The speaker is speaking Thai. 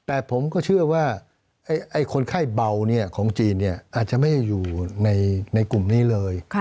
แต่ผมก็เชื่อว่าคนไข้เบาของจีนอาจจะไม่ได้อยู่ในกลุ่มนี้เลย